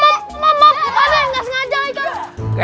mama yang gak sengaja